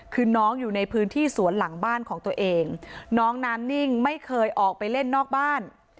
คือน้องอยู่ในพื้นที่สวนหลังบ้านของตัวเองน้องน้ำนิ่งไม่เคยออกไปเล่นนอกบ้าน